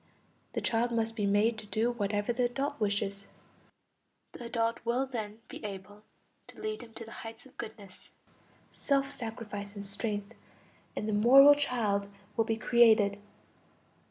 The child must be made to do whatever the adult wishes; the adult will then be able to lead him to the heights of goodness, self sacrifice and strength, and the moral child will be created.